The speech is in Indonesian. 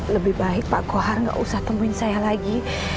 lebih baik pak kohar tidak usah temui saya lagi